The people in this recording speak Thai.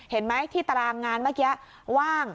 เห็นไหมที่ตารางงานเมื่อกี้ว่าง